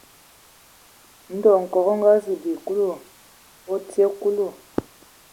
Ndɔ Nkɔg o azu bi Kulu, o tii nye.